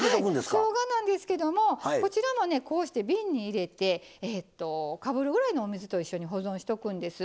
しょうがなんですけどもこちらもねこうして瓶に入れてかぶるぐらいのお水と一緒に保存しとくんです。